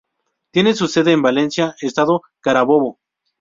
Tiene su sede en Valencia, Estado Carabobo.